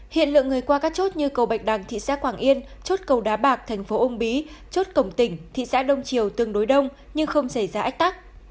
hiện lượng người qua các chốt như cầu bạch đằng thị xã quảng yên chốt cầu đá bạc thành phố ung bí chốt cổng tỉnh thị xã đông triều tương đối đông nhưng không xảy ra ách tắc